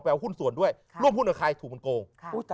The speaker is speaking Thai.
เอาหุ้นส่วนด้วยร่วมหุ้นกับใครถูกมันโกง